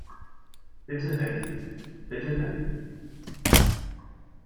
Bitte wenden, bitte wenden.